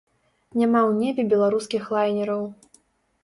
Няма ў небе беларускіх лайнераў.